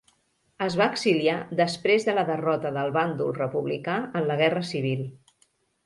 Es va exiliar després de la derrota del bàndol republicà en la Guerra Civil.